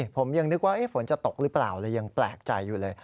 ผมยังนึกว่าฝนจะตกหรือเปล่าเลยยังแปลกใจอยู่เลย